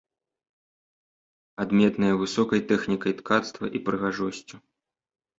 Адметныя высокай тэхнікай ткацтва і прыгажосцю.